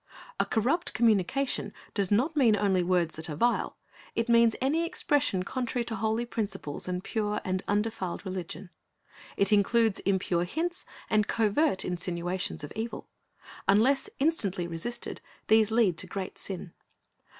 "' A corrupt communication does not mean only words that are vile. It means any expression contrary to holy principles and pure and undefiled religion. It includes impure hints and covert insinuations of evil. Unless instantly resisted, these lead to great sin.